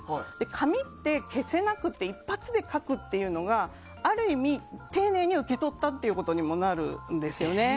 紙って消せなくて一発で書くっていうのがある意味、丁寧に受け取ったということにもなるんですね。